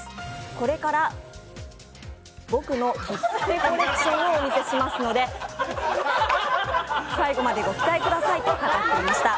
これからボクの切手コレクションを見せますので最後までご期待くださいと語っていました。